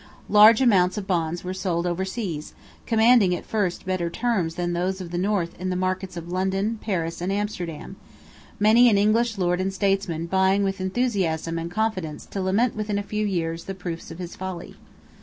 Large amounts of bonds were sold overseas, commanding at first better terms than those of the North in the markets of London, Paris, and Amsterdam, many an English lord and statesman buying with enthusiasm and confidence to lament within a few years the proofs of his folly.